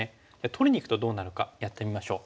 取りにいくとどうなのかやってみましょう。